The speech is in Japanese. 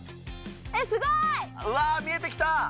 うわぁ、見えてきた。